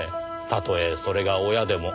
たとえそれが親でも。